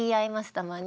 たまに。